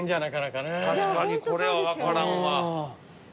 確かにこれは分からんわ。